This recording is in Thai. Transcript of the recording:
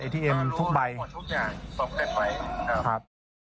รู้หมดทุกอย่างปรบคลิปไว้ครับ